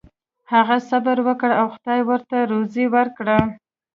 هغه صبر وکړ او خدای ورته روزي ورکړه.